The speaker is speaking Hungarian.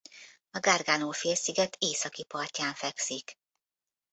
A Gargano-félsziget északi partján fekszik.